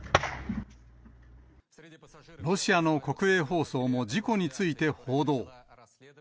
ロシアの国営放送も事故について報道。